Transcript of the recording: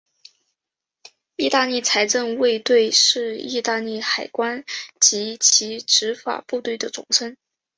意大利财政卫队是意大利海关及其执法部队的总称。